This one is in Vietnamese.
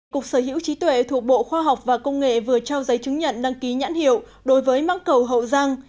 cục sở hữu trí tuệ thuộc bộ khoa học và công nghệ vừa trao giấy chứng nhận đăng ký nhãn hiệu đối với mắng cầu hậu giang